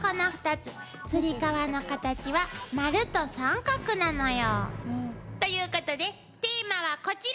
つり革のカタチは丸と三角なのよ。ということでテーマはこちら！